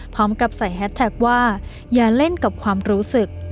พร้อมกับใส่แฮสแท็กว่าอย่าเล่นกับความรู้สึก